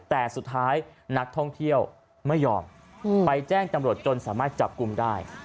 แต่สุดท้ายนักท่องเที่ยวไม่ยอมไปแจ้งตำรวจจนสามารถจับกลุ่มได้